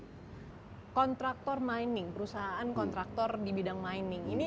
pertama kontraktor mining perusahaan kontraktor di bidang mining